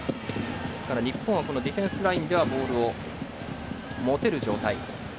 ですから、日本はディフェンスラインではボールを持てる状態。